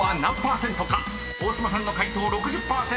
［大島さんの解答６０％。